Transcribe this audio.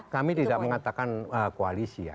kami tidak mengatakan koalisi ya